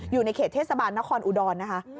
อยู่ในเขตเทศสาบานนฮอนอูดรนะคะ